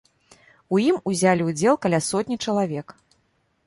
У ім узялі ўдзел каля сотні чалавек.